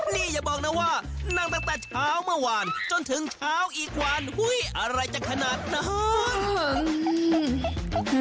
นี่อย่าบอกนะว่านั่งตั้งแต่เช้าเมื่อวานจนถึงเช้าอีกวันอะไรจะขนาดนั้น